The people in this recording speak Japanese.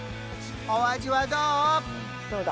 お味はどう？